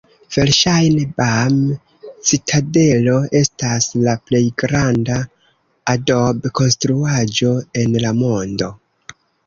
Verŝajne Bam-citadelo estas la plej granda adob-konstruaĵo en la mondo.